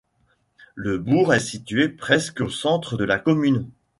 Le bourg est situé presque au centre de la commune.